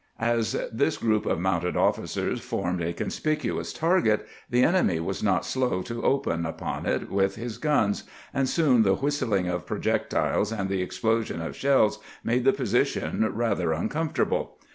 As this group of mounted officers formed a conspicuous target, the enemy was not slow to open upon it with his guns ; and soon the whistling of projectiles and the explosion of shells made the posi tion rather uncomfortable.